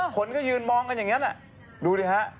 คนก็ยืนมองกันอย่างนี้แหละดูดิฮะ